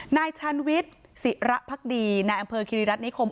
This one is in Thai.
นายชาญวิทย์ศิระพักดีนายอำเภอคิริรัตนิคม